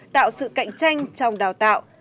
tạo sự cạnh tranh trong đào tạo